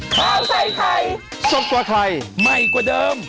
ข้าวใส่ไทยสดกว่าไทยใหม่กว่าเดิม